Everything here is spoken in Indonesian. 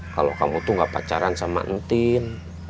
kalau kamu tuh gak pacaran sama entin